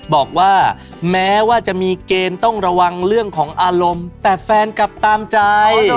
บอกว่าแม้ว่าจะมีเกณฑ์ต้องระวังเรื่องของอารมณ์แต่แฟนกลับตามใจ